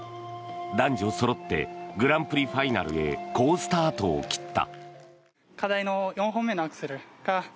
男女そろってグランプリファイナルへ好スタートを切った。